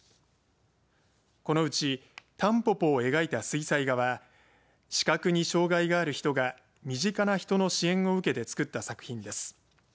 このうちタンポポを描いた水彩画は視覚障害がある人が身近な人の支援を受けて作った作品です。